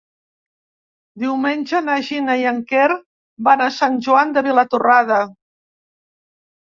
Diumenge na Gina i en Quer van a Sant Joan de Vilatorrada.